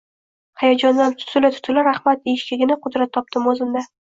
Hayajondan tutila-tutila “Rahmat” deyishgagina qudrat topdim oʻzimda.